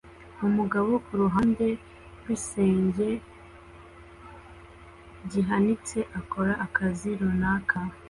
Umugabo kuruhande rwigisenge gihanitse akora akazi runaka